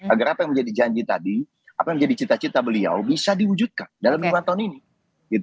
agar apa yang menjadi janji tadi apa yang menjadi cita cita beliau bisa diwujudkan dalam dua tahun ini